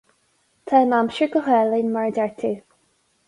Tá an aimsir go hálainn mar a deir tú.